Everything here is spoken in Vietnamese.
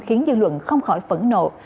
khiến dư luận không khỏi phẫn nộ